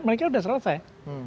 mereka sudah selesai